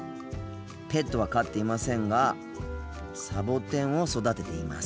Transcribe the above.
ペットは飼っていませんがサボテンを育てています。